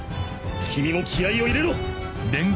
君も気合を入れろ！